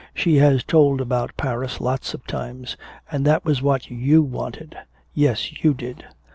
"She has told about Paris lots of times and that was what you wanted. Yes, you did.